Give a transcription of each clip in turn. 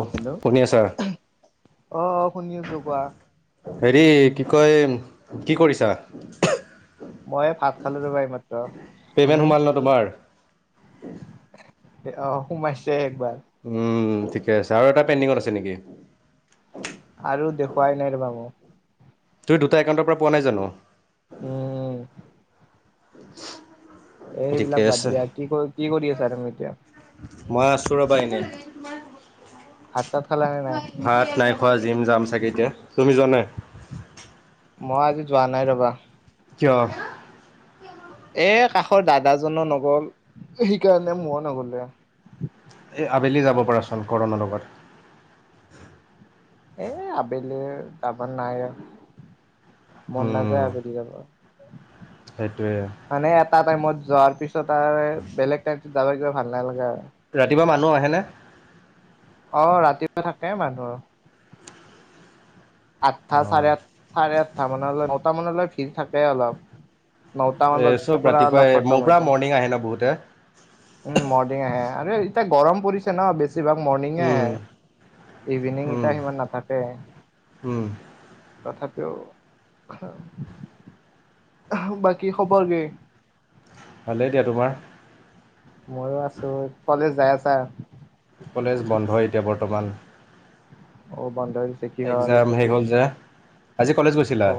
অ hello! শুনি আছা আহ শুনি আছো, কোৱা। হেৰি কি কয়, কি কৰিছা? মই ভাত খালো ৰবা এইমাত্ৰ। পে'মেণ্ট তুমি? সোমাল ন তোমাৰ আহ, সোমাইছে একবাৰ। উম, ঠিকে আছে, আৰু এটা পেণ্ডিঙত আছে নেকি? আৰু দেখুৱাই নাই ৰবা মোক তই দুটা একাউণ্টৰ পৰা পোৱা নাই জানো? উম। [unintelligible] এ ঠিকে সেইবিলাক বাদ আছে দিয়া কি কৰি কি কৰি আছা তুমি এতিয়া? মই আছোঁ ৰ'বা এনে। ভাত তাত খাল নে নাই? কোৱা, জিম যাম চাগে এতিয়া, তুমি যোৱা নাই? মই আজি যোৱা নাই ৰ'বা। কিয়? এই কাষৰ দাদা জনোঁ নগ'ল। সেইকাৰণে মই নগলোঁ। এই আবেলি যাব পৰাৰাচোন কৰণৰ লগত। এই আবেলি তামান নাই মন নাযায়, উম, আবেলি যাব সেইটোৱে মানে এটাৰ টাইমত যোৱাৰ পিছত আৰু বেলেগ টাইম যাব কিবা ভাল নালাগে আৰু ৰাতিপুৱা মানুহ আহেনে? অহ' ৰাতিপুৱা থাকে মানুহৰ। আঠটা অঁ চাৰে আঠ চাৰে আঠটা মানলৈ নটা মানলৈ ভিৰ থাকে অলপ। নতামান এই চব বজাৰ পৰা ৰাতিপুৱাই অলপ মোৰ খতম পৰা হৈ যায়। মৰ্ণিং আহে ন বহুতে উম, মৰ্ণিং আৰু এতিয়া গৰম পৰিছে ন বেছি বেছিভাগ মৰ্ণিং উম, আহে ইভিনিং উম, এতিয়া সিমান নাথাকে। উম, তথাপি বাকী খবৰ কি? ভালেই দিয়া, তোমাৰ? মইয়ো আছোঁ, কলেজ যাই আছা। কলেজ বন্ধ এতিয়া বৰ্তমান। অব। একজাম হে হ'ল যে, আজি কলেজ গৈছিলা? অ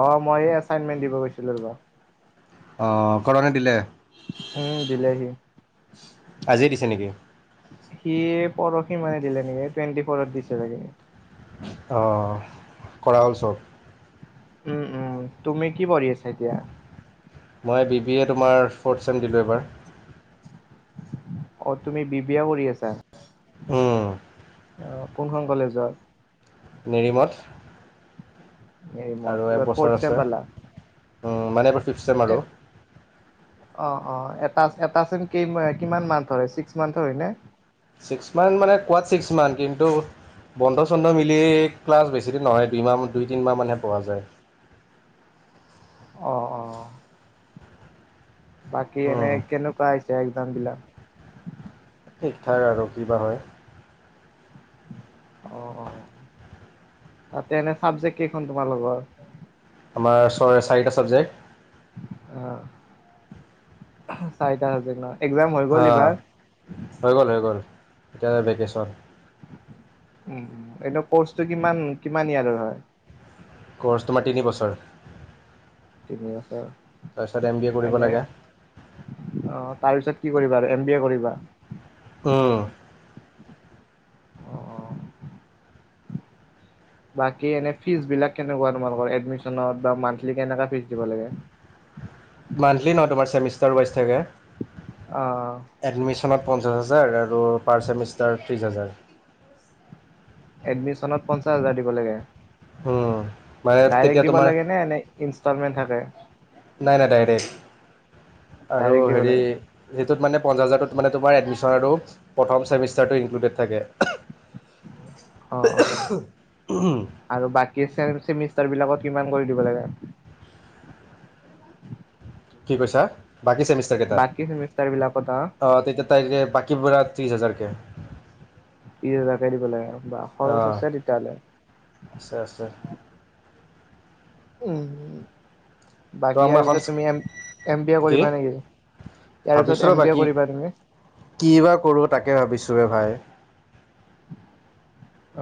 অ মইয়ে এচাইনমেন্ট দিব গৈছিলো ৰবা। অ কৰনে দিলে। উম দিলেহি। আজিয়ে দিছে নেকি? সি পৰহি মানে দিলে নেকি টুৱেণ্টি ফ'ৰত দিছে চাগে। অ কৰা হ'ল চব। উম উম তুমি কি পঢ়ি আছা এতিয়া? মই বি বিয়ে তোমাৰ ফ'ৰ্থ ছেম দিলো এবাৰ। অ তুমি বিবিয়া কৰি আছা। উম, অহ। কোনখন কলেজৰ? নিৰিমঠ। হেৰি মত আৰু এইবাৰ ফৰ্থ একবছৰ চেম আছে পালা মানে এবাৰ ফিফথ ছেম এ আৰু। অ অ এটা এটাছ ছেম কেইম কিমান মান্থ ধৰে ছিক্স মান্থৰ হয় নে? ছিক্স মান্থ মানে কোৱাত ছিক্স মান্থ কিন্তু বন্ধ চন্ধ মিলি ক্লাছ বেছিদিন নহয় দুই মাহ দুই তিনিমাহ মানহে পঢ়া যায়। অ অ। বাকী এনে উম, কেনেকুৱা আহিছে একজামবিলাক? ঠিক-থাক আৰু কিবা হয়। অ তাতে এনে চাবজেক্ট কেইখন তোমা লগৰ? আমাৰ ছয় চাৰিটা ছাবজেক্ট। অ চাৰিটা হাবজেক নয় অ হৈ গ'ল হৈ গ'ল এতিয়া ভেকেচন। উ এটো কৰ্চটো কিমান কিমান ইয়াৰৰ হয়। ক'ৰ্চ তোমাৰ তিনি বছৰ। তিনি বছৰ তাৰপিছত এম বি এ কৰিব এনে লাগে আহ তাৰ পিছত। কি কৰিবা আৰু এম বি এ কৰিবা? উম। অ অ বাকী এনে ফিছ বিলাক কেনেকুৱা তোমালোকৰ? এডমিচনৰ বা মন্থলী কেনেকা ফিছ দিব লাগে। উ [unintelligible] মান্থলি ন তোমাৰ চেমিষ্টাৰ ৱাইজ থাকে। আহ। ন পঞ্চাছ হাজাৰ আৰু পাৰ ছেমিষ্টাৰ ত্ৰিছ হাজাৰ। এডমিশনত পঞ্চাশ হাজাৰ দিব লাগে। মানে তেতিয়া ডাইৰেক্ট দিব তোমাৰ লাগে নে ইনষ্টলমেট থাকে। নাই নাই ডাই আৰু ডাইৰেক্ট দিব হে লাগে। সেইটোত মানে পাজাৰ। মানে তোমাৰ এডমিশ্যন আৰু প্ৰথম চেমিষ্টাৰটো ইনক্লুডেড থাকে। অ অ আৰু বাকী চ। বিলাকত কিমান কৰি দিব লাগে। কি কৈছা বাকী চেমিষ্টাৰ বাকী চেমিষ্টাৰ বিলাকত আ কেইটাত অতি তাৰিখে বাকী পুৰা ত্ৰিশ হাজাৰ কে পিছ হজাৰাকে দিব লাগে বা খৰচ অঁ আছে তেতিয়াহলে। আছে আছে উ তো বাকী মই ইয়াৰ এখন পিছত তুমি এম বি এ কৰিবা নেকি? ইয়াৰ পিছত ভাবিছো এম ৰ বি এ বাকী কৰিবা তুমি? কি বা কৰো তাকে ভাবিছোৱে ভাই।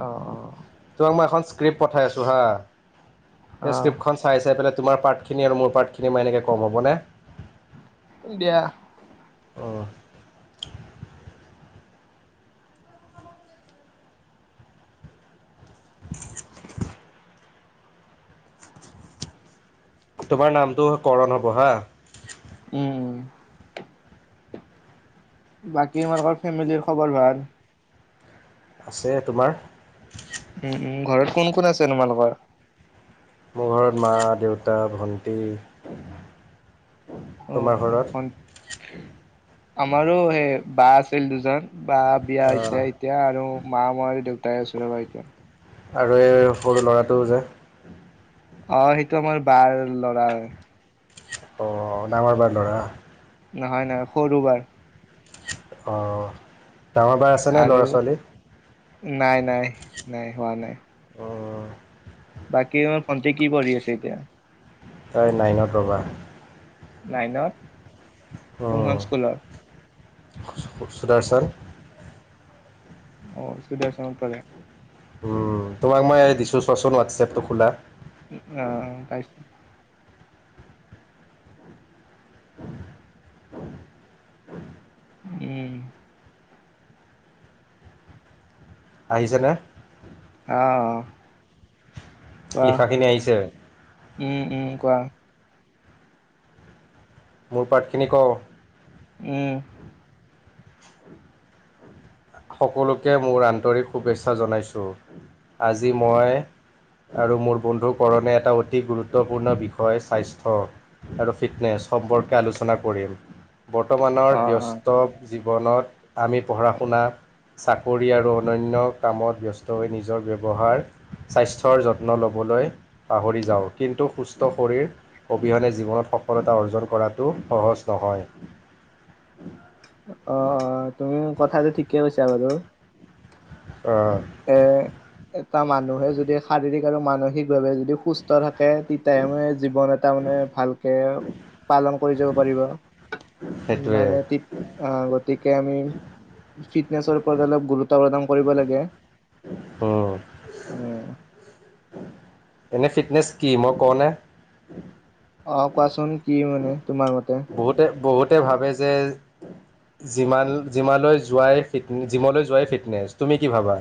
অ অ। তোমাক মই এখন স্ক্ৰিপ পঠাই আছো হা অ' সেই অ' স্ক্ৰিপ্টখন চাই চাইাই। তোমাৰ পাৰ্টখিনি আৰু মোৰ পাৰ্টখিনি মই এনেকে কম হ'বনে। দিয়া। অ' [inaudible] তোমাৰ নামটো কৰণ হ'ব হা। উম। বাকী তোমালোকৰ ফেমিলিৰ খবৰ ভাল? আছে তোমাৰ? উম -উম ঘৰত কোন কোন আছে তোমালোকৰ? মোৰ ঘৰত মা দেউতা ভণ্টী। অ' আমাৰো সেই বা আছিল দুজন। বা বিয়া অঁ, হৈছে এতিয়া আৰু মা মই দেউতাই আছোঁ ৰবা এতিয়া। আৰু এই সৰু ল'ৰাটোও যে। অ' সেইটো আমাৰ বাৰ ল'ৰা হয়। অ নাঙৰ বাৰ লৰা। নহয় নহয় সৰু বাৰ। অ ডাঙৰ বাৰ আছে নে আৰু ল'ৰা ছোৱালী? নাই নাই নাই হোৱা নাই। অঁ, বাকী ভণ্টি কি পঢ়ি আছে এতিয়া? তই নাইনত ৰ'বা। নাইনত কোনখন স্কুলৰ? সুদাৰ চান। অ সুদাচনত পঢ়ে। উম তোমাক মই দিছো চোৱাচোন হোৱাটছ এপটো খোলা। উম তা [inaudible] উম আহিছেনে? অ। কোৱা লিখাখিনি আহিছে। উম উম কোৱা? মোৰ পাৰ্টখিনি কওঁ। উম। সকলোকে মোৰ আন্তৰিক শুভেচ্ছা জনাইছোঁ আজি মই আৰু মোৰ বন্ধু কৰণে এটা অতি গুৰুত্বপূৰ্ণ বিষয় স্বাস্থ্য আৰু ফিটনেছ। সম্পৰ্কে আলোচনা কৰিম। বৰ্তমানৰ অ অ ব্যস্ত জীৱনত আমি পঢ়া শুনা চাকৰি আৰু অন্যান্য কামত ব্যস্ত হৈ নিজৰ ব্যৱহাৰ স্বাস্থ্যৰ যত্ন ল'বলৈ পাহৰি যাওঁ কিন্তু সুস্থ শৰীৰ অবিহনে জীৱনত সফলতা অৰ্জন কৰাটো সহজ নহয়। অ আহ তুমি কথাটো ঠিকেই কৈছা বাৰু। অ' এ এটা মানুহে যদি শাৰীৰিক আৰু মানসিক যদি সুস্থ থাকে তেতিয়াহে মানে জীৱন এটা মানে ভালকে পালন কৰি যাব পাৰিব সেইটোৱে মানে গতিকে আমি ফিটনেচৰ ওপৰত অলপ গুৰুত্ব প্ৰদান কৰিব লাগে। উম, আহ। এনেই ফিটনেছ কি মই কওঁনে? অ কোৱাচোন কি মানে তোমাৰ মতে বহুতে বহুতে ভাবে যে জিমালৈ যোৱাই জিমলৈ যোৱাই ফিটনেছ তুমি কি ভাবা?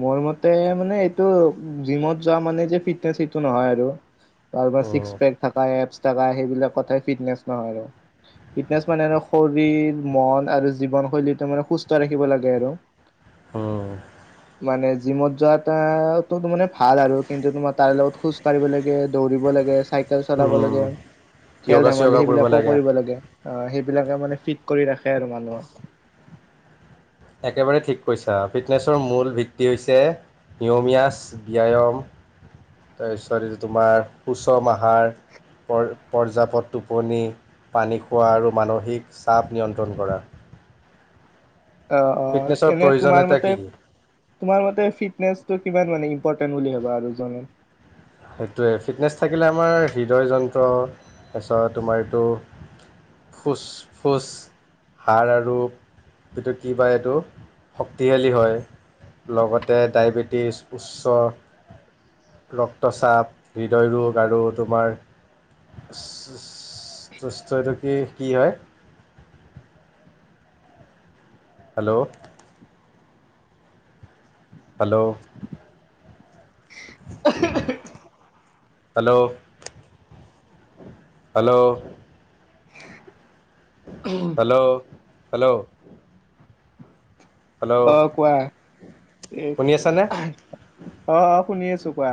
মোৰ মতে মানে এইটো জিমত যোৱা মানে যে ফিটনেচ এইটো নহয় আৰু। কাৰোবাৰ উম ছিক্স পেক থকা এপছ থকা সেইবিলাক ফিটনেছ নহয় আৰু। ফিটনেচ মানে আৰু শৰীৰ মন আৰু জীৱন শৈলীটো মানে সুস্থ ৰাখিব লাগে আৰু। উম'। মানে জিমত যোৱা তো ত মানে ভাল আৰু, কিন্তু তোমাৰ তাৰ লগত খোজ কঢ়িব লাগে দৌৰিব লাগে চাইকেল চলাব লাগে উম খেল ধেমালি সেইবিলাকো কৰিব লাগে। আহ' সেইবিলাকে মানে ফিট কৰি ৰাখে আৰু মানুহক। একেবাৰে ঠিক কৈছা, ফিটনেছৰ মূল ভিত্তি হৈছে নিয়মিয়ছ, ব্যায়াম তাৰপিছত এই তোমাৰ সুচম আহাৰ পৰ পৰ্যাপদ টোপনি পানী খোৱা, আৰু মানসিক চাপ, নিয়ন্ত্ৰণ কৰা। আহ', অ', ফিটনেছৰ এনে তোমাৰ প্ৰয়োজনীয়তা মতে কি তোমাৰ মতে ফিটনেচটো কিমান মানে ইম্পৰ্টেণ্ট বুলি ভাববা আৰু তুমি? সেইটোৱে ফিটনেছ থাকিলে আমাৰ হৃদয় যন্ত্ৰ, তাৰপিছত তোমাৰ এইটো ফুচ-ফুচ। সাড়, আৰু এইটো কি বা এইটো শক্তিশালী হয়। লগতে ডায়বেটিছ, উচ্চ ৰক্ত ক্তচাপ, হৃদয় ৰোগ, আৰু তোমাৰ [unintelligible] টো কি কি হয় [inaudible] hello. Hello. [unintelligible] Hello hello. Hello hello. Hello অ' কোৱা। এ', শুনি আছানে অ' শুনি আছো কোৱা।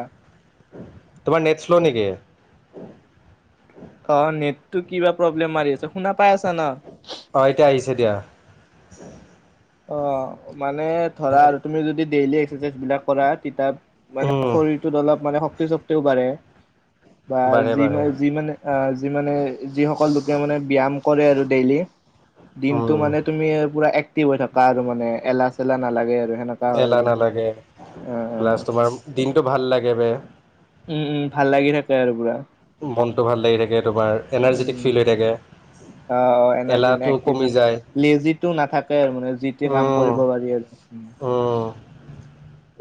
তোমাৰ নেট শ্ল' নেকি। অ' নেটটো কিবা প্ৰব্লেম মাৰি আছে, শুনা পাই আছা ন। আহ' এতিয়া আহিছে দিয়া। অ' মানে ধৰা আৰু তুমি য ডেইলি এক্সেৰচাইজ বিলাক কৰা মানে শৰীৰটোত অলপ মানে শক্তি ছক্তিও বাঢ়ে বা বাঢ়ে যি বাঢ়ে ম যি মানে অ যি মানে যিসকল লোকে মানে ব্যায়াম কৰে আৰু ডেইলি দিনটো মানে তুমি পুৰা এক হৈ থকা আৰু মানে এলাহ চেলা নালাগে আৰু। সেনেকা হয় এলাহ আৰু নালাগে অ অ প্লাছ তোমাৰ দিনটো ভাল লাগে বে। উম', উম', ভাল লাগি থাকে আৰু পুৰা। মনটো ভাল লাগি থাকে তোমাৰ উম এনাৰ্জেটিক উম ফিল হৈ থাকে। অ', অ', এনাৰজি হয় এলাহটো কমি যায় এক্টিভ লেজিটো নাথাকে আৰু মানে যিতি কাম উম কৰিব পাৰি উম আৰু।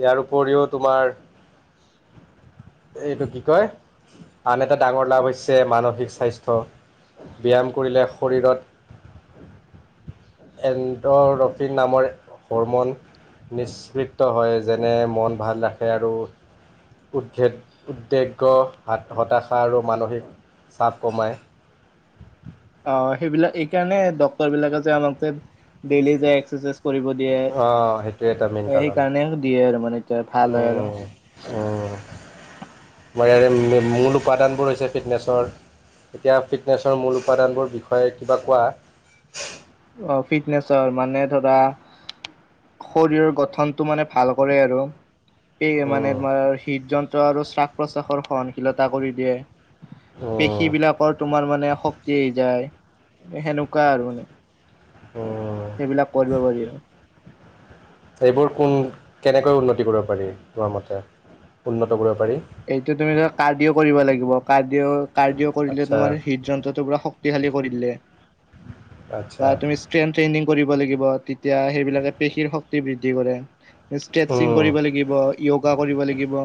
ইয়াৰ উপৰিও তোমাৰ এইটো কি কয়, আন এটা ডাঙৰ লাভ হৈছে মানসিক স্বাস্থ্য। ব্যায়াম কৰিলে শৰীৰত [inaudible] এডৰফ নামৰ হৰমন নিষ্পক্ত হয়, যেনে মন ভাল ৰাখে আৰু উদ্ভেদ, উদ্বেগ্য, হতাশা আৰু মানসিক চাবকমাই। [inaudible] অ' সেইবিলাক এইকাৰণে ডক্টৰ বিলাকে যে ডেইলী কৰিব অঁ সেইটোৱে এটা মেইন দিয়ে কাৰণ সেইকাৰণে দিয়ে আৰু মানে তায় ভাল আৰু [inaudible] মায়াৰে মে মূল উপাদানবোৰ হৈছে ফিটনেছৰ এতিয়া ফিটনেছৰ মূল উপাদানবোৰ বিষয়ে কিবা কোৱা। অ, ফিটনেচৰ মানে ধৰা শৰীৰৰ গঠনটো মানে ভাল কৰে আৰু এইয়ে মানে উম তোমৰ হৃদযন্ত্ৰ আৰু শ্বাস প্ৰশ্বাসৰ সহনশীলতা কৰি দিয়ে। উম পেশী বিলাকৰ তোমাৰ মানে শক্তি আহি যায় সেনেকুৱা আৰু উম সেইবিলাক কৰিব পাৰি আৰ এইবোৰ কোন কেনেকৈ উন্নতি কৰিব পাৰি তোমাৰ মতে উন্নত কৰিব। পাৰি এইটো তুমি ধৰা কাৰডিও কৰিব লাগিব। ডিও কাৰডিও কৰিলে আচ্ছা তোমাৰ হৃদ্ধযন্ত্ৰটো পুৰা শক্তিশালী কৰি তোলে। বা আচ্ছা তুমি ষ্ট্ৰেন ট্ৰেইনিং কৰিব লাগিব। বা তেতিয়া সেইবিলাকে পেশীৰ শক্তি বৃদ্ধি কৰে। ষ্ট্ৰেটচিং কৰিব উম লাগিব য়োগা কৰিব লাগিব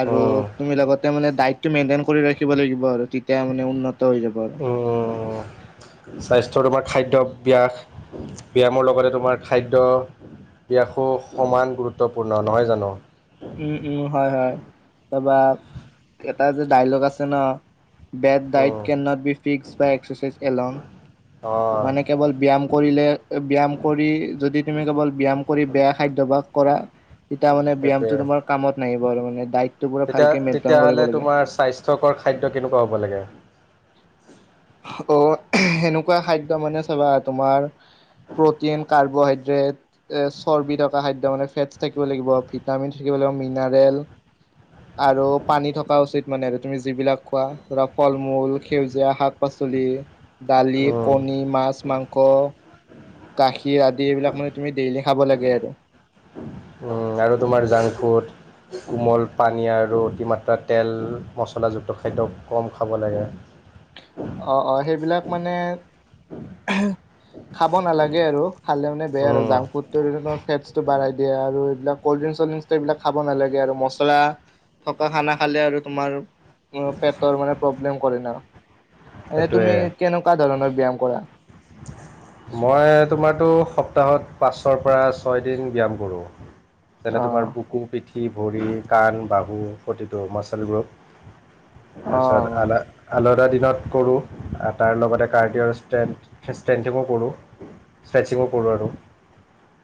আৰু উম তুমি লগতে ডাইটটো মেইনটেইন কৰি ৰাখিব লাগিব আৰু তেতিয়া মানে উন্নত হৈ যাব আৰু উম, স্বাস্থ্যৰ বা খাদ্য পিয়াজ ব্যায়ামৰ লগতে তোমাৰ খাদ্য ব্যাস সমান গুৰুত্বপূৰ্ণ নহয় জানো। উম, উম, হয়, হয়, তাৰপা এটা যে ডাইলগ আছে no bad diet um can not be fixed by exercise along. অঁ মানে কেৱল ব্যায়াম কৰিলে ব্যায়াম কৰি যদি তুমি কেৱল ব্যায়াম কৰি বেয়া খাদ্যভাস কৰা তেতিয়া মানে ব্যায়ামটো সেইটোৱে তোমাৰ কামত নাহিব আৰ মানে দায়িত তেতিয়া তেতিয়াহলে তোমাৰ স্বাস্থ্যকৰ খাদ্য কেনেকুৱা হ'ব লাগে? অ', সেনেকুৱা খাদ্য মানে চাবা তোমাৰ প্ৰটিন কাৰ্বহাইড্ৰেট এ চৰ্বি থকা খাদ্য মানে ফেটছ থাকিব লাগিব ভিটামিন থাকিব। মিনাৰেল আৰু পানী থকা উচিত মানে আৰ তুমি যিবিলাক খোৱা ধৰা ফল-মূল সেউজীয়া শাক পাচলি, দালি, উম কণী, মাছ, মাংস। গাখীৰ আদি এইবিলাক মানে তুমি ডেইলি খাব লাগে আৰু। উম, আৰু তোমাৰ জাংক ফুড। কোমল পানী আৰু অতিমাত্ৰা তেল মচলা যুক্ত খাদ্য কম খাব লাগে। অ', অ', সেইবিলাক মানে এহে খাব নালাগে আৰু খালে মানে বেয়া আৰু উম, জাংক ফুডটো ফেটচটো বাঢ়াই দিয়ে আৰু। এইবিলাক কল্ড ড্ৰিংক্স চলড্ৰিং এইবিলাক খাব নালাগে আৰু মছলা থকা খানা খালে আৰু তোমাৰ উম, পেটৰ মানে প্ৰব্লেম কৰে ন' এনে তুমি সেইটোৱে কেনেকুৱা ধৰণৰ ব্যায়াম কৰা? [inaudible] মই তোমাৰটো সপ্তাহত পাঁচৰ পৰা ছয় দিন ব্যায়াম কৰোঁ। যেনে অ তোমাৰ বুকু পিঠি ভৰি কাণ বাহু প্ৰতিটো মাচালবোৰক তাৰপিছত অ আদা আলাদাৰ দিনত কৰোঁ তাৰ লগতে কাৰ্ডিৰ ষ্টেন ষ্ট্ৰেনদিঙো কৰোঁ ষ্ট্ৰেছিঙো কৰোঁ আৰু।